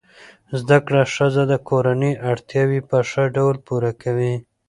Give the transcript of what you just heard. زده کړه ښځه د کورنۍ اړتیاوې په ښه ډول پوره کوي.